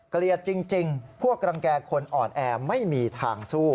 เกลียดจริงพวกรังแก่คนอ่อนแอไม่มีทางสู้